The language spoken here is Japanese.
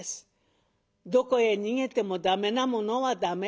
どこへ逃げても駄目なものは駄目。